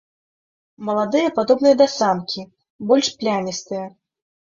Маладыя падобныя да самкі, больш плямістыя.